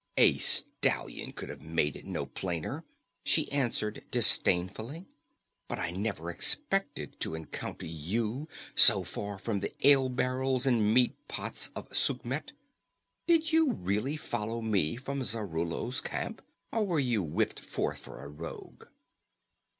"A stallion could have made it no plainer," she answered disdainfully. "But I never expected to encounter you so far from the ale barrels and meat pots of Sukhmet. Did you really follow me from Zarallo's camp, or were you whipped forth for a rogue?"